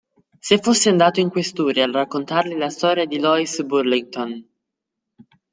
Se fosse andato in questura a raccontargli la storia di Lois Burlington.